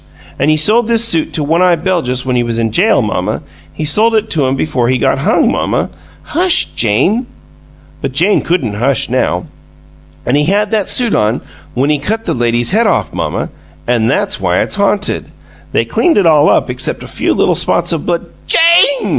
"An' he sold this suit to One eye Beljus when he was in jail, mamma. He sold it to him before he got hung, mamma." "Hush, Jane!" But Jane couldn't hush now. "An' he had that suit on when he cut the lady's head off, mamma, an' that's why it's haunted. They cleaned it all up excep' a few little spots of bl " "JANE!"